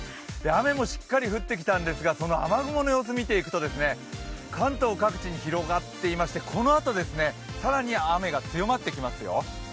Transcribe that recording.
雨もしっかり降ってきたんですが、雨雲の様子を見ていくと関東各地に広がっていまして、このあと、更に雨が強まってきますよ。